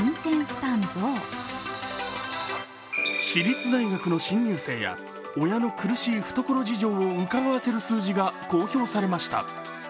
私立大学の新入生や親の苦しい懐事情をうかがわせる数字が公表されました。